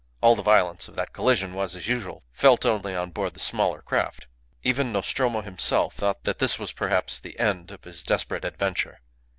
All the violence of that collision was, as usual, felt only on board the smaller craft. Even Nostromo himself thought that this was perhaps the end of his desperate adventure.